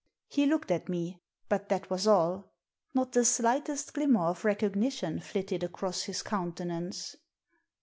He looked at me — but that was all. Not the slightest glimmer of recognition flitted across his countenance.